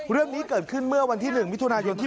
เรื่องนี้เกิดขึ้นเมื่อวันที่๑วิทยุทธิ์ที่ผ่านมาครับ